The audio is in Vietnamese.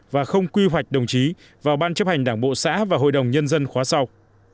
và không quy hoạch đồng chí vào ban chấp hành đảng bộ xã và hội đồng nhân dân khóa sau